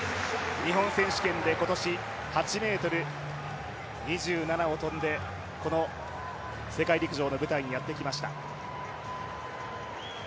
日本選手権で今年８ｍ２７を跳んでこの世界陸上の舞台にやってきました。